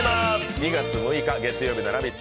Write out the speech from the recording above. ２月６日月曜日の「ラヴィット！」